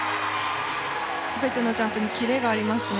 全てのジャンプにキレがありますね。